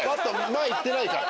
前行ってないから。